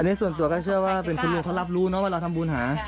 อันนี้ส่วนส่วนตัวก็เชื่อว่าเป็นคุณผู้ร่วมเขารับรู้ว่าเราทำบุญหา